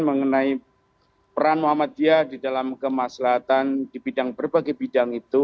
mengenai peran muhammadiyah di dalam kemaslahan di bidang berbagai bidang itu